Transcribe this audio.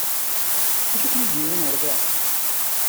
D acu i ken-id-yewwin ɣer da?